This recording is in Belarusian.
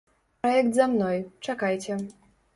Праект за мной, чакайце.